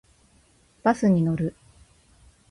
バスに乗る。